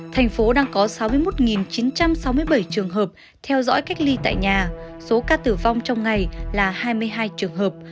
thành phố đang có sáu mươi một chín trăm sáu mươi bảy trường hợp theo dõi cách ly tại nhà số ca tử vong trong ngày là hai mươi hai trường hợp